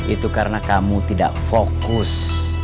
itu karena kamu tidak fokus